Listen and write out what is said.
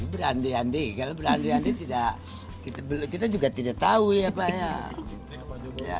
berandi andi kalau berandi andi kita juga tidak tahu ya pak ya